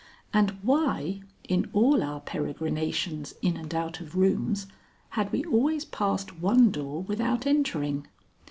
and why, in all our peregrinations in and out of rooms, had we always passed one door without entering?